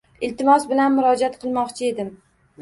Iltimos bilan murojaat qilmoqchi edim.